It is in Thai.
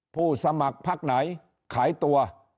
ผู้สมัครพักไหนขายตัว